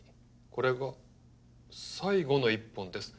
これが最後の一本です」